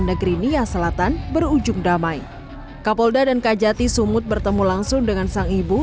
negeri nia selatan berujung damai kapolda dan kajati sumut bertemu langsung dengan sang ibu